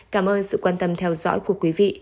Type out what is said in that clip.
cảm ơn sự quan tâm theo dõi của quý vị